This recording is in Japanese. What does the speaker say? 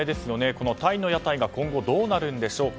このタイの屋台が今後どうなるんでしょうか。